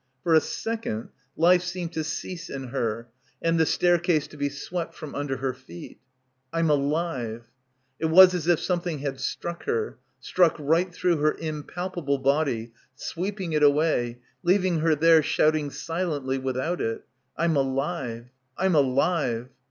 For a second, life seemed to cease in her and the staircase to be swept f rom under her feet. ... "I'm alive." ... It was as if some thing had struck her, struck right through her im palpable body, sweeping it away, leaving her there shouting silently without it. Fm alive. ... I'm alive.